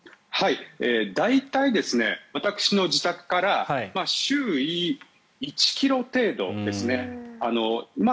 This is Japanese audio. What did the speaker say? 大体、私の自宅から周囲１ｋｍ程度ですね。